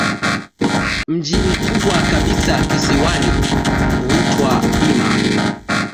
Mji mkubwa kabisa kisiwani huitwa Bima.